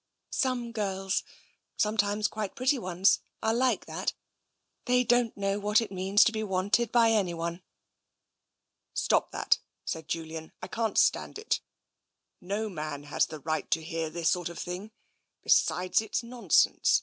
Some girls •— sometimes quite pretty ones — are like that. They don't know what it means to be wanted by anyone." " Stop that," said Julian. '* I can't stand it. No man has any right to hear this sort of thing. Besides, it's nonsense.